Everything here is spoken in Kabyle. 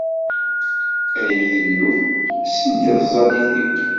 Ay Illu! Sel-d i tẓallit-iw.